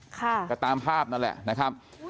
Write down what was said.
ก็ตามภาพนั่นแหละนะครับ